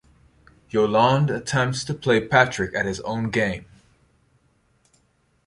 Yolande attempts to play Patrick at his own game.